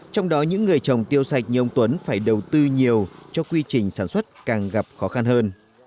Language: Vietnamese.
trong đó những người trồng tiêu sạch như ông tuấn phải đầu tư nhiều cho quy trình sản xuất càng gặp khó khăn hơn